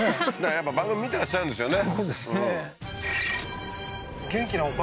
やっぱ番組見てらっしゃるんですよね